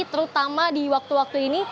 terutama di waktu waktu ini